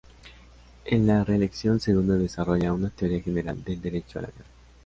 En la reelección segunda desarrolla una teoría general del derecho a la guerra.